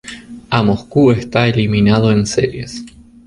A Moscú está eliminado en series.